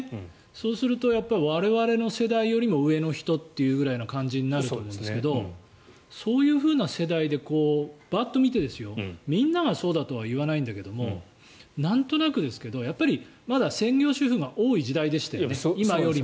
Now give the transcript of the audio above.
そうすると我々の世代よりも上の人という感じになると思うんですけどそういうふうな世代でバーッと見てみんながそうだとは言わないんだけどなんとなくですけどまだ専業主婦が多い時代でしたよね、今よりも。